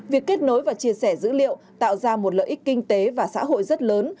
việc kết nối và chia sẻ dữ liệu tạo ra một lợi ích kinh tế và xã hội rất lớn